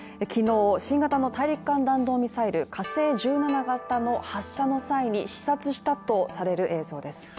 昨日、新型の大陸間弾道ミサイル、火星１７型の発射の際に視察したとされる映像です。